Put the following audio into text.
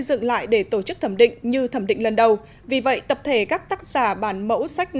dựng lại để tổ chức thẩm định như thẩm định lần đầu vì vậy tập thể các tác giả bản mẫu sách